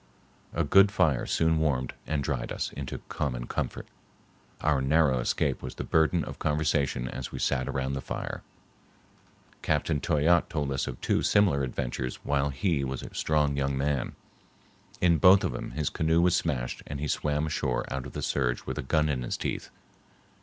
A good fire soon warmed and dried us into common comfort. Our narrow escape was the burden of conversation as we sat around the fire. Captain Toyatte told us of two similar adventures while he was a strong young man. In both of them his canoe was smashed and he swam ashore out of the surge with a gun in his teeth.